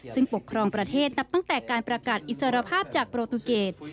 ซึ่งปกครองประเทศนับตั้งแต่การประกาศอิสรภาพจากโปรตูเกต